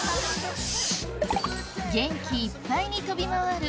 元気いっぱいに跳び回る